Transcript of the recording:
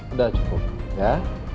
udah cukup ya